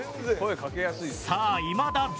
さあいまだ０。